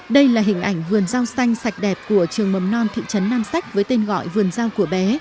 đây là hình ảnh vườn rau xanh sạch đẹp của trường mầm non thị trấn nam sách với tên gọi vườn rau của bé